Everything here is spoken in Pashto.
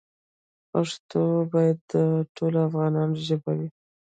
پښتو باید د ټولو افغانانو ژبه وي.